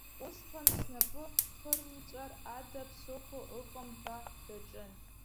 Усҟан снапы хырмҵәар ада ԥсыхәа ыҟам ҳәа даҿын.